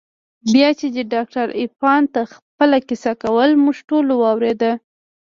بيا چې دې ډاکتر عرفان ته خپله کيسه کوله موږ ټوله واورېده.